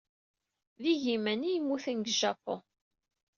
D igiman ay yemmuten deg Japun.